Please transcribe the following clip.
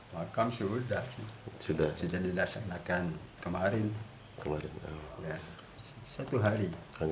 makan sudah sudah dilaksanakan kemarin